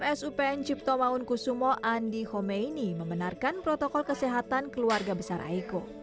frs upn cipto maungkusumo andi khomeini membenarkan protokol kesehatan keluarga besar aiko